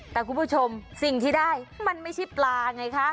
แต่คุณผู้ชมสิ่งที่ได้มันไม่ใช่ปลาไงคะ